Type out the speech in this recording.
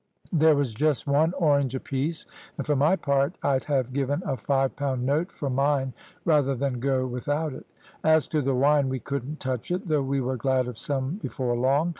There was just one orange apiece, and for my part I'd have given a five pound note for mine rather than go without it. As to the wine we couldn't touch it, though we were glad of some before long.